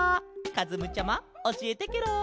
かずむちゃまおしえてケロ！